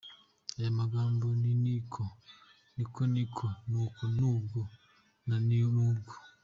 Ayo magambo ni ni ko, niko, ni uko, nuko, nubwo, na ni ubwo.